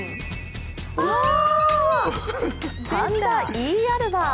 パンダイーアルバー。